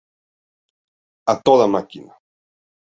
A toda máquina!".